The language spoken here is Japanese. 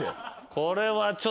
これは今。